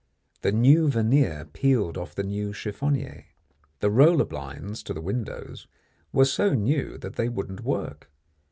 The new veneer peeled off the new chiffonier. The roller blinds to the windows were so new that they wouldn't work.